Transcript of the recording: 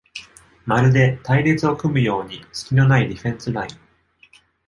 まるで隊列を組むようにすきのないディフェンスライン